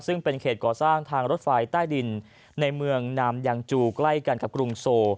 ซึ่งเป็นเขตก่อสร้างทางรถไฟใต้ดินในเมืองนามยังจูใกล้กันกับกรุงโซ